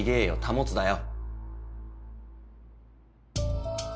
「保つ」だよ